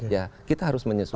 ya kita harus menyesuaikan